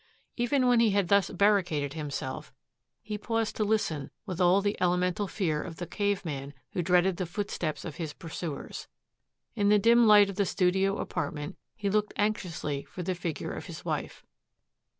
Even when he had thus barricaded himself, he paused to listen with all the elemental fear of the cave man who dreaded the footsteps of his pursuers. In the dim light of the studio apartment he looked anxiously for the figure of his wife.